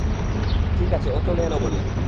ঠিক আছে, ও চলে এলো বলে।